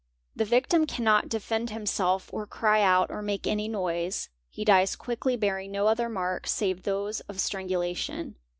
The victim cannot defend himself or cry out or make ~ any noise, he dies quickly bearing no other marks save those of stran culation.